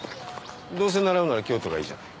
どうせ習うなら京都がいいじゃない。